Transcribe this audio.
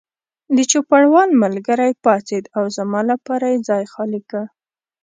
د چوپړوال ملګری پاڅېد او زما لپاره یې ځای خالي کړ.